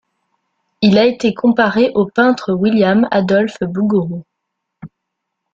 Il a été comparé au peintre William-Adolphe Bouguereau.